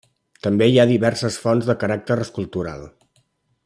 També hi ha diverses fonts de caràcter escultural.